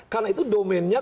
karena itu domennya